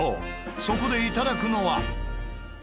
そこでいただくのは。